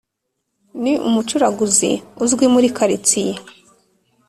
N'umucuraguzi uzwi muri karitsiye